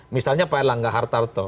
misalnya pak elangga hartarto